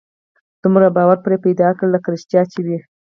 دومره باور به پرې پيدا کړي لکه رښتيا چې وي.